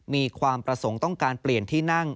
มีความประสงค์ต้องการเปลี่ยนที่นั่ง